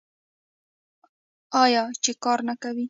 آیا چې کار نه کوي؟